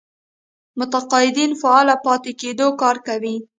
متقاعدين فعاله پاتې کېدو کار کوي.